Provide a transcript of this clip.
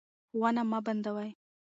ښوونه مه بندوئ.